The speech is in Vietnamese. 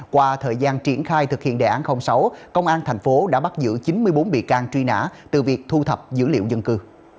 qua thời gian triển khai thực hiện đề án sáu công an thành phố đã bắt giữ chín mươi bốn bị can truy nã từ việc thu thập dữ liệu dân cư